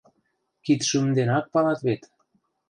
Кид шӱм денак палат вет.